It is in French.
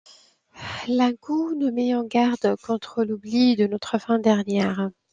L’Ankou nous met en garde contre l’oubli de notre fin dernière.